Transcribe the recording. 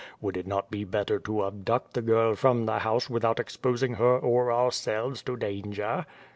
Would it not be better to abduct the girl from the house without exposing her or ourselves to danger?"